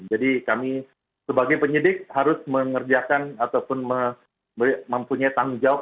jadi kami sebagai penyidik harus mengerjakan ataupun mempunyai tanggung jawab